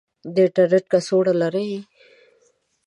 د انترنیټ کڅوړه لرئ؟